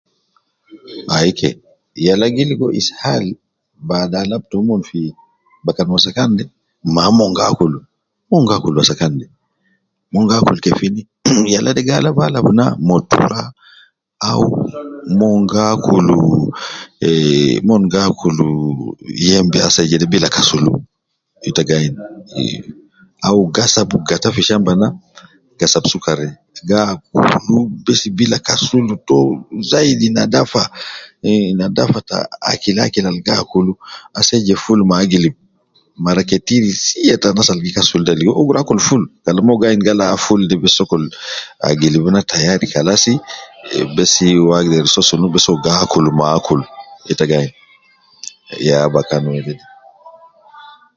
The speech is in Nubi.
Ai ke, yalagi ligo ishal ,bada alab tomon fi, bakan wasakan de, ma omon gi akul, mon gi akul wasakan de, mon gi akul kefini, mh yala de gi alab alab na ma tura au mon gi akulu eh, mon gi akulu, yembe ase jede bila kasulu, yeta gi ayin, eh au gasab gata fi shamba na ,gasab sukar de ,gi akulu besi bila kasul to, zaidi nadafa, eh nadafa te akil akil al gi akulu ase je fulu magilib, mara ketir sia te te anas al gi kasul ida, ligo uwo gi rua akul ful, Kalam uwo gi ayin gal ah, ful de bes sokol agilibu na tayari kalasi eh besi uwo agder soo sunu, besi uwo gi akul ma akul, ye ta gi ayin, ya bakan wede